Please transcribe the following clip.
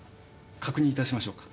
確認いたしましょうか？